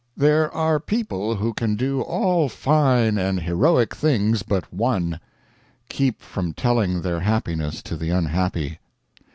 There are people who can do all fine and heroic things but one! keep from telling their happinesses to the unhappy.